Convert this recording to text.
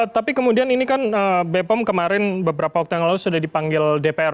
tapi kemudian ini kan bepom kemarin beberapa waktu yang lalu sudah dipanggil dpr